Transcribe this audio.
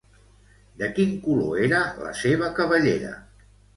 De quin color era la seva cabellera?